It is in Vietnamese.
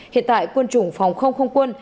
hiện tại quân chủng phòng không không quân